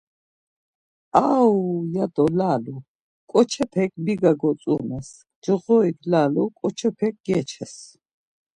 Aauuu... ya do lalu, ǩoçepek biga gozumes, coğorik lalu ǩoçepek geçes.